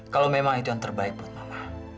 kalau memang itu yang terbaik buat allah